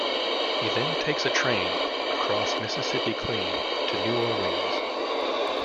He then takes a train "across Mississippi clean" to New Orleans.